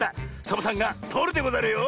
サボさんがとるでござるよ。